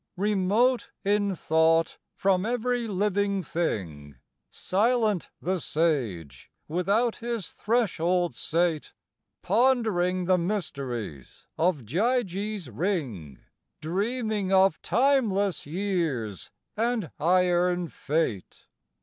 II. Remote in thought from every living thing, Silent the sage without his threshold sate, Pondering the mysteries of Gyges' ring, Dreaming of timeless years and iron fate.